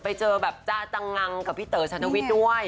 ไปเจอแบบจ๊ะจังงังกับพี่เต๋อชันวิทย์ด้วย